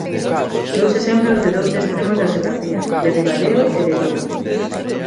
Dous exemplos de dous extremos da xeografía, de Ribadeo e de Vigo.